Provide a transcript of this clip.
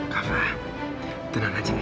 kava tenang aja ya